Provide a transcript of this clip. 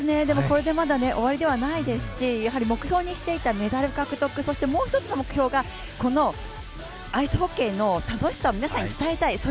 でもこれで終わりではないですし、やはり目標にしていたメダル獲得、そしてもう一つの目標が、アイスホッケーの楽しさを皆さんに伝えたい。